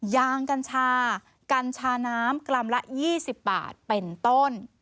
ยางกัญชากัญชาน้ำกรัมละ๒๐บาทเป็นต้น